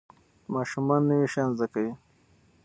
ماشومان نوي شیان زده کوي.